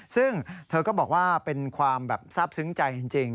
ซึ่งเธอก็บอกว่าเป็นความแบบทราบซึ้งใจจริง